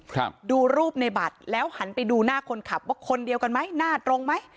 ครับดูรูปในบัตรแล้วหันไปดูหน้าคนขับว่าคนเดียวกันไหมหน้าตรงไหม